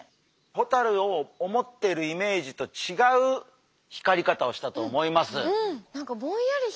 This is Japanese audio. ホタルを思っているイメージと違う光り方をしたと思います。